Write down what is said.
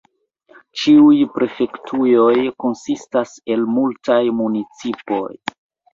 Ĉiuj prefektujoj konsistas el multaj municipoj.